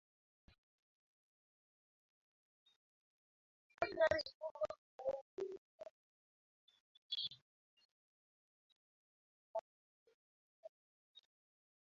testai ab kei koyae ko testai mungaret eng' ematinwek alak